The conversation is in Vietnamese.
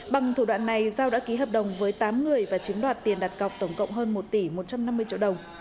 bằng thủ đoạn này giao đã ký hợp đồng với tám người và chiếm đoạt tiền đặt cọc tổng cộng hơn một tỷ một trăm năm mươi triệu đồng